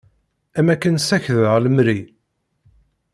Am akken sakdeɣ lemri.